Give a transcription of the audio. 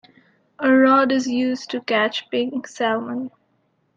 A rod is used to catch pink salmon.